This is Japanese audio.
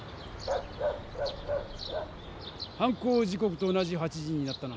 犯行時こくと同じ８時になったな。